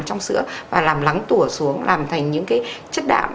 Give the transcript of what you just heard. trong sữa và làm lắng tủa xuống làm thành những cái chất đạm